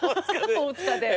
大塚で。